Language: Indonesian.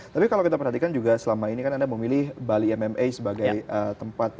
tapi kalau kita perhatikan juga selama ini kan anda memilih bali mma sebagai tempat